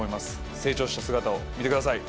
成長した姿を見てください。